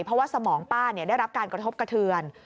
เพราะว่าสมองป้าได้รับการกระทบกระเทือน